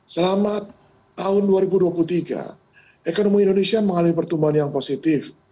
selama tahun dua ribu dua puluh tiga ekonomi indonesia mengalami pertumbuhan yang positif